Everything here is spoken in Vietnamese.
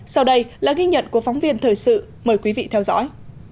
sau đây là ghi nhận của phóng viên thời sự mời quý vị theo dõi